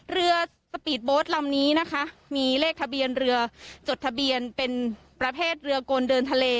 เรือสปีดโบสต์ลำนี้นะคะมีเลขทะเบียนเรือจดทะเบียนเป็นประเภทเรือกลเดินทะเล